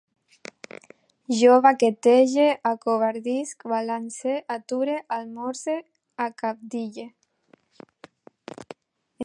Jo baquetege, acovardisc, balance, ature, almorze, acabdille